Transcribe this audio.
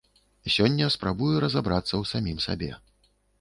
Сёння спрабую разабрацца ў самім сабе.